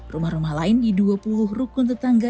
rumah rumah lain di dua puluh rukun tetangga